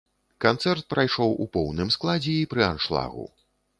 Канцэрт прайшоў у поўным складзе і пры аншлагу.